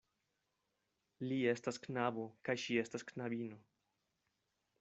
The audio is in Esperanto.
Li estas knabo, kaj ŝi estas knabino.